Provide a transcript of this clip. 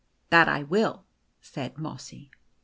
''" That I will," said Mossy.